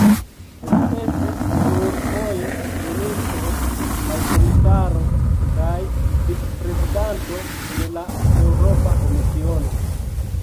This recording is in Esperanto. Li estis plurfoje ministro kaj komisaro kaj vicprezidanto en la Eŭropa Komisiono.